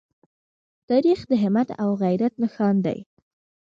تاریخ د همت او غیرت نښان دی.